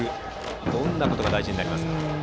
どんなことが大事になりますか。